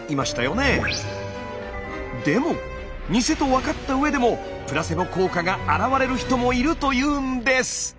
でもニセと分かったうえでもプラセボ効果があらわれる人もいるというんです！